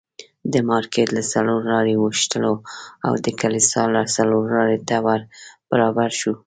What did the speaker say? د مارکېټ له څلور لارې اوښتلو او د کلیسا څلورلارې ته ور برابر شوو.